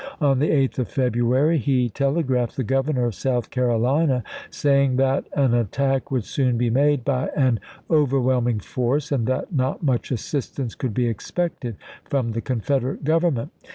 On the 8th of February he tele graphed the Governor of South Carolina, saying that an attack would soon be made by an over whelming force, and that not much assistance could be expected from the Confederate Government.